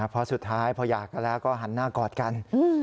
เพราะสุดท้ายพออยากกันแล้วก็หันหน้ากอดกัน